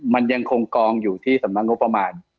มันยังคงกองอยู่ที่สำนักงบประมาณ